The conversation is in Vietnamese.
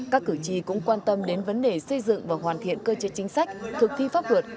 các cử tri cũng quan tâm đến vấn đề xây dựng và hoàn thiện cơ chế chính sách thực thi pháp luật